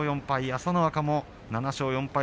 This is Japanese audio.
朝乃若も７勝４敗。